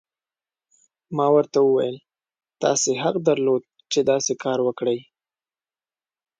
ما ورته وویل: تاسي حق درلود، چې داسې کار وکړي.